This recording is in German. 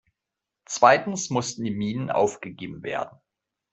Zweitens mussten die Minen aufgegeben werden.